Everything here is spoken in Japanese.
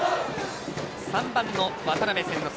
３番の渡邉千之亮。